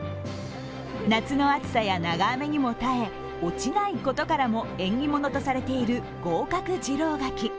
夏の暑さや長雨にも耐え落ちないことからも縁起物とされている合格次郎柿。